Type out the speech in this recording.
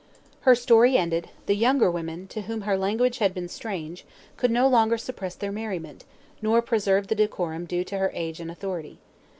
Her story ended, the younger women, to whom her language had been strange, could no longer suppress their merriment, nor preserve the decorum due to her age and authority.